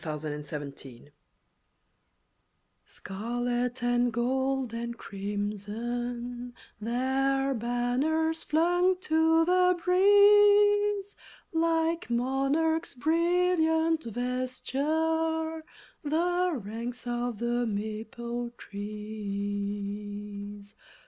A SONG OF THE AUTUMN Scarlet and gold and crimson, Their banners flung to the breeze, Like monarchs' brilliant vesture The ranks of the maple trees.